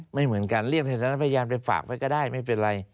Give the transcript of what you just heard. ไม่เหมือนกันเรียกสถานะพยานไปฝากไว้ก็ได้ไม่เป็นไร